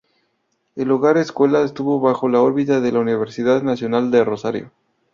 El hogar escuela estuvo bajo la órbita de la Universidad Nacional de Rosario.